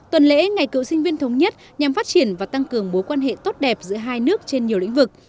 tuần lễ ngày cựu sinh viên thống nhất nhằm phát triển và tăng cường mối quan hệ tốt đẹp giữa hai nước trên nhiều lĩnh vực